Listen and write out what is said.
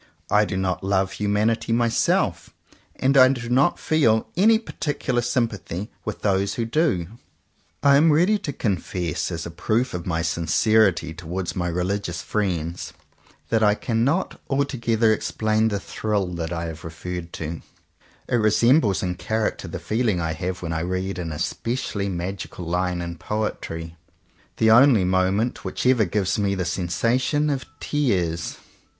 I do not love humanity myself; and I do not feel any particular sympathy with those who do. I am ready to confess, as a proof of my sincerity towards my religious friends, that 59 CONFESSIONS OF TWO BROTHERS I cannot altogether explain the thrill I have referred to. It resembles in character the feeling I have when I read an especially magical line in poetry — the only moment which ever gives me the sensation of tears.